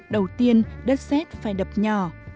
đầu tiên đất xét phải đập nhỏ